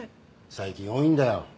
最近多いんだよ。